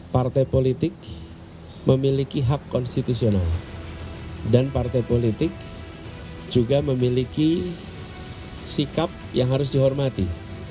partai politik memiliki hak konstitusional dan partai politik juga memiliki sikap yang harus dihormati